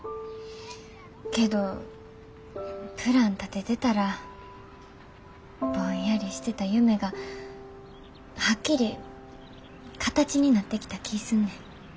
けどプラン立ててたらぼんやりしてた夢がはっきり形になってきた気ぃすんねん。